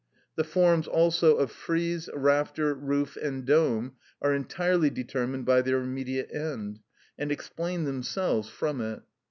The forms also of frieze, rafter, roof, and dome are entirely determined by their immediate end, and explain themselves from it.